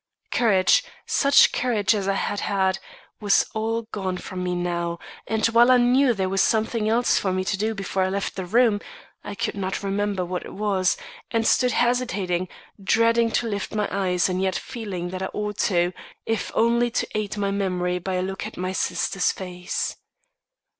Courage such courage as I had had was all gone from me now; and while I knew there was something else for me to do before I left the room, I could not remember what it was, and stood hesitating, dreading to lift my eyes and yet feeling that I ought to, if only to aid my memory by a look at my sister's face.